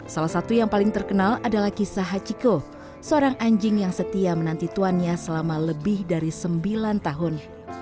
salah satu yang paling terkenal adalah kisah hachiko seorang anjing yang setia menanti tuannya selama lebih dari sembilan tahun